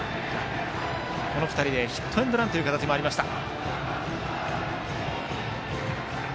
この２人でヒットエンドランという形もありました。